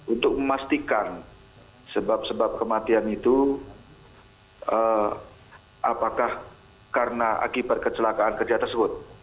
untuk memastikan sebab sebab kematian itu apakah karena akibat kecelakaan kerja tersebut